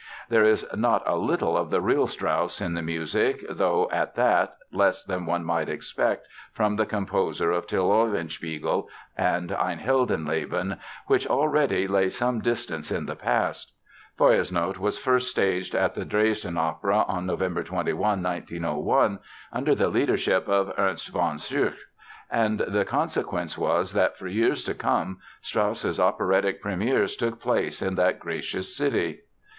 There is not a little of the real Strauss in the music, though at that, less than one might expect from the composer of Till Eulenspiegel and Ein Heldenleben which already lay some distance in the past. Feuersnot was first staged at the Dresden Opera on November 21, 1901, under the leadership of Ernst von Schuch. And the consequence was that for years to come Strauss's operatic premieres took place in that gracious city.